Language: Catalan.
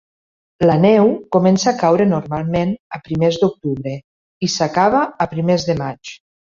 La neu comença a caure normalment a primers d'octubre i s'acaba a primers de maig.